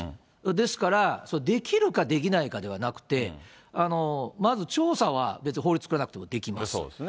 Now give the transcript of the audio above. ですから、できるかできないかではなくて、まず調査は別に法律を作らなくてもできます。